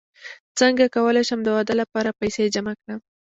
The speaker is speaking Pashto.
څنګه کولی شم د واده لپاره پیسې جمع کړم